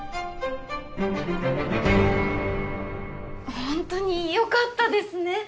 本当によかったですね。